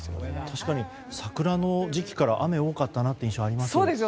確かに、桜の時期から雨が多かったなという印象があります。